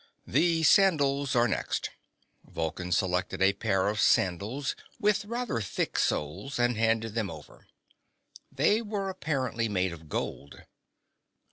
"The sandals are next." Vulcan selected a pair of sandals with rather thick soles and handed them over. They were apparently made of gold.